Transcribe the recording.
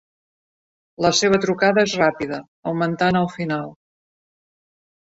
La seva trucada és ràpida, augmentant al final.